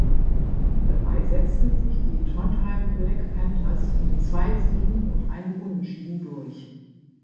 Dabei setzten sich die Trondheim Black Panthers mit zwei Siegen und einem Unentschieden durch.